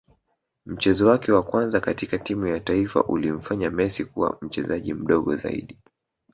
Mchezo wake wa kwanza katika timu ya taifa ulimfanya Messi kuwa mchezaji mdogo zaidi